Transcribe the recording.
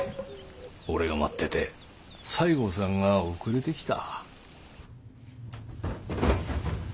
俺が待ってて西郷さんが遅れてきた。